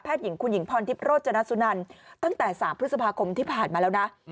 หญิงคุณหญิงพรทิพย์โรจนสุนันตั้งแต่๓พฤษภาคมที่ผ่านมาแล้วนะ